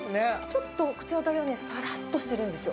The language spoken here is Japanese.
ちょっと口当たりがね、さらっとしてるんですよ。